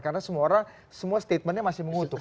karena semua orang semua statementnya masih mengutuk